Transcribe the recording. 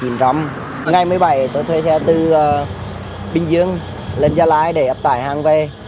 ngày một mươi bảy tôi thuê xe từ bình dương lên gia lai để ép tải hàng về